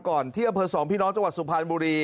ก่อนที่อพ๒พี่น้องจังหวัดสุพารมบูรี